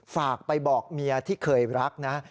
ฝากไปบอกเมียที่เคยรักนะ